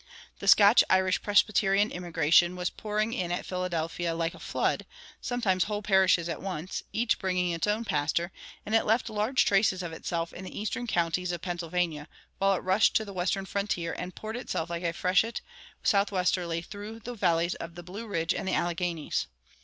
The Scotch Irish Presbyterian immigration was pouring in at Philadelphia like a flood, sometimes whole parishes at once, each bringing its own pastor; and it left large traces of itself in the eastern counties of Pennsylvania, while it rushed to the western frontier and poured itself like a freshet southwesterly through the valleys of the Blue Ridge and the Alleghanies.